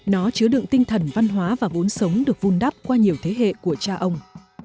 nó chứa đựng tinh thần văn hóa và vốn sống được vun đắp qua nhiều thế hệ của cha ông